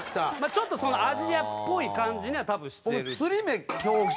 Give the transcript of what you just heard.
ちょっとアジアっぽい感じには多分してる。